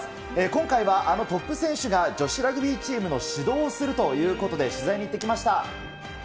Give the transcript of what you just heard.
今回はあのトップ選手が、女子ラグビーチームの指導をするということで、取材に行ってきました。